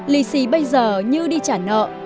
lì xì bây giờ như đi trả nợ